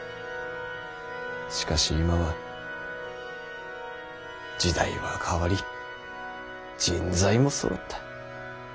しかし今は時代は変わり人材もそろった。